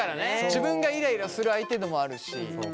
自分がイライラする相手でもあるし。